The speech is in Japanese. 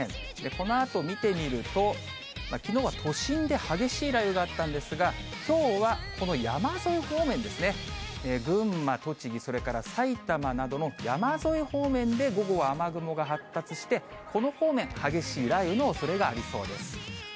このあと見てみると、きのうは都心で激しい雷雨があったんですが、きょうは、この山沿い方面ですね、群馬、栃木、それから埼玉などの山沿い方面で、午後は雨雲が発達して、この方面、激しい雷雨のおそれがありそうです。